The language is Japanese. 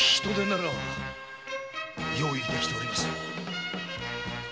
人手なら用意できておりますよ。